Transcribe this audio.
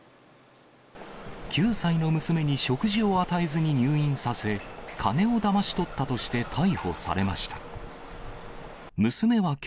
９歳の娘に食事を与えずに入院させ、金をだまし取ったとして逮捕されました。